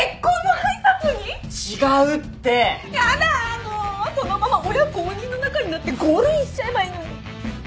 もうそのまま親公認の仲になってゴールインしちゃえばいいのに。